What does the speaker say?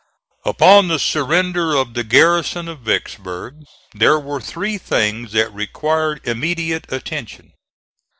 Upon the surrender of the garrison of Vicksburg there were three things that required immediate attention.